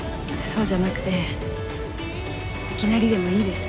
そうじゃなくていきなりでもいいです。